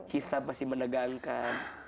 kisah masih menegangkan